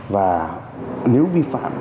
và nếu vi phạm